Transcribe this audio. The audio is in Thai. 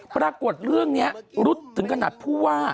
ปรากฏเรื่องนี้รุดถึงขนาดผู้ว่า